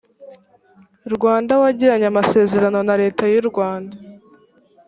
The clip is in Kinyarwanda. rwanda wagiranye amasezerano na leta y urwanda